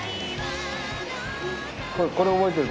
これ覚えてる。